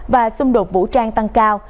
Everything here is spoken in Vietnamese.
và xung đột vũ trang tăng cao